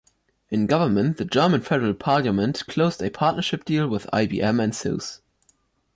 In government the German Federal Parliament closed a partnership deal with IBM and SuSe.